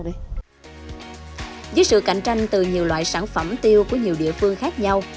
với sự cạnh tranh từ nhiều loại sản phẩm tiêu của nhiều địa phương khác nhau